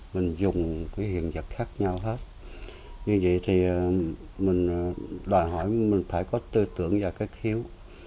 mình dùng cái hiện vật khác nhau hết như vậy thì mình đòi hỏi mình phải có tư tưởng và các hiếu